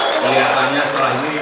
kelihatannya setelah ini